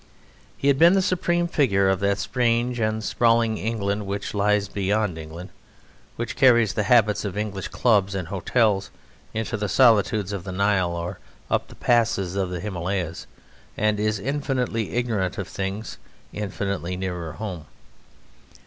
He had been the supreme figure of that strange and sprawling England which lies beyond England; which carries the habits of English clubs and hotels into the solitudes of the Nile or up the passes of the Himalayas, and is infinitely ignorant of things infinitely nearer home.